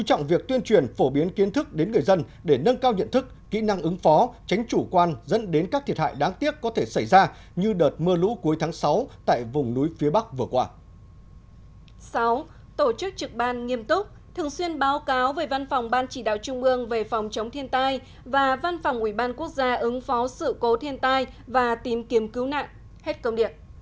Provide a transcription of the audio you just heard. sáu tổ chức trực ban nghiêm túc thường xuyên báo cáo về văn phòng ban chỉ đạo trung ương về phòng chống thiên tai và văn phòng ủy ban quốc gia ứng phó sự cố thiên tai và tìm kiếm cứu nạn